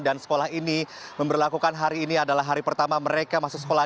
dan sekolah ini memperlakukan hari ini adalah hari pertama mereka masuk sekolah